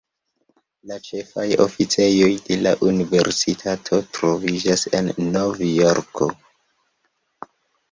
La ĉefaj oficejoj de la universitato troviĝas en Nov-Jorko.